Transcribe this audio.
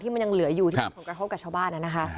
มันยังเหลืออยู่ที่มีผลกระทบกับชาวบ้านนะคะ